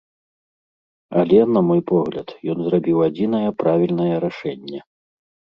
Але, на мой погляд, ён зрабіў адзінае правільнае рашэнне.